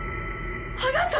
あなた！